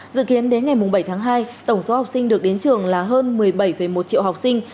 dự kiến đến ngày bảy tháng hai tổng số học sinh được đến trường là hơn một mươi bảy một triệu học sinh